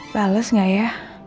balas gak ya